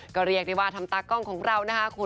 ก็เรียกได้ว่าทำตากล้องของเรานะคะคุณ